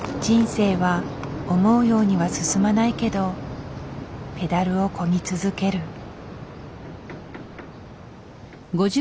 人生は思うようには進まないけどペダルをこぎ続ける。